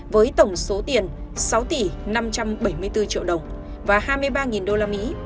với tổng số tiền sáu tỷ năm trăm bảy mươi bốn triệu đồng và hai mươi ba đô la mỹ